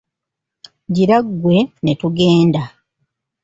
Gira ggwe ne tugenda.